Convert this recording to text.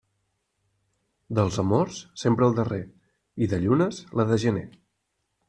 Dels amors, sempre el darrer, i de llunes, la de gener.